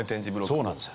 そうなんですよ。